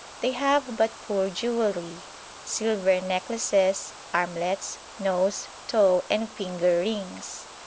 They have but poor jewellery silver necklaces, armlets, nose, toe, and finger rings.